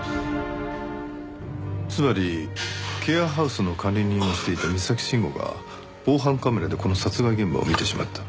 つまりケアハウスの管理人をしていた三崎慎吾が防犯カメラでこの殺害現場を見てしまった。